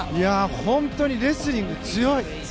本当にレスリング、強い！